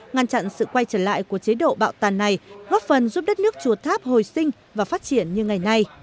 ngăn chặn sự quay trở lại của chế độ bạo tàn này góp phần giúp đất nước chùa tháp hồi sinh và phát triển như ngày nay